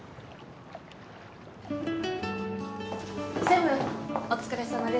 専務お疲れさまです。